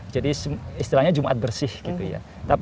jadi istilahnya jumat bersih gitu ya